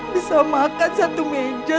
bisa makan satu meja